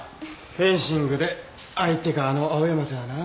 フェンシングで相手があの青山じゃな。